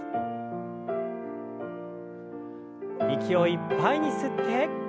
息をいっぱいに吸って。